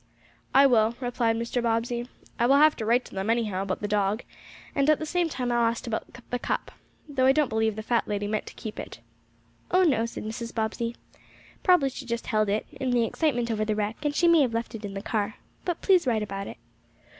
"I will," replied Mr. Bobbsey. "I will have to write to them anyhow, about the dog, and at the same time I'll ask about the cup. Though I don't believe the fat lady meant to keep it." "Oh, no," said Mrs. Bobbsey. "Probably she just held it, in the excitement over the wreck, and she may have left it in the car. But please write about it."